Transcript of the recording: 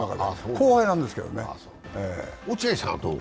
後輩なんですけどね。